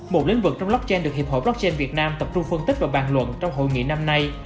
một lĩnh vực trong blockchain được hiệp hội blockchain việt nam tập trung phân tích và bàn luận trong hội nghị năm nay